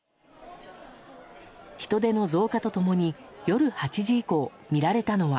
人出の増加と共に夜８時以降、見られたのは。